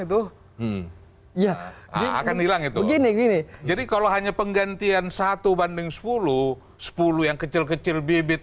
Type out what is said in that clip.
itu ya dia akan hilang itu gini gini jadi kalau hanya penggantian satu banding sepuluh sepuluh yang kecil kecil bibit